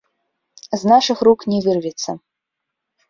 З нашых рук не вырвецца.